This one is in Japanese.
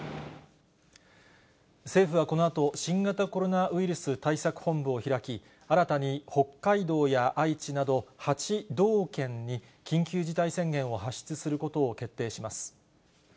政府はこのあと、新型コロナウイルス対策本部を開き、新たに北海道や愛知など８道県に、緊急事態宣言を発出することを決定します。